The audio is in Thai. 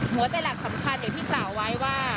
หัวใจหลักสำคัญอยู่ที่กล่าวไว้ว่า